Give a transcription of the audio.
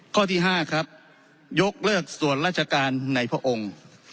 ข้อที่๕ครับยกเลิกส่วนราชการในพระองค์